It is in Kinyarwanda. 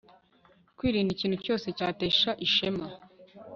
kwirinda ikintu cyose cyatesha ishema